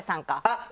あっ！